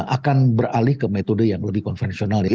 akan beralih ke metode yang lebih konvensional ya